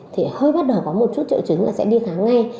thì hơi bắt đầu có một chút triệu chứng là sẽ đi khám ngay